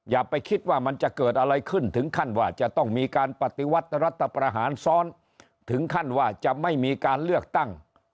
อย่าไปคิดว่ามันจะเกิดอะไรขึ้นถึงขั้นว่าจะต้องมีการปฏิวัติรัฐประหารซ้อนถึงขั้นว่าจะไม่มีการเลือกตั้ง